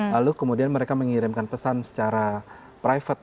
lalu kemudian mereka mengirimkan pesan secara private